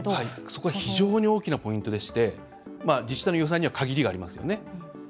そこは非常に大きなポイントでして自治体の予算には限りがありますよね。